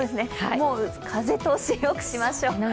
もう風通しよくしましょう。